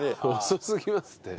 遅すぎますって。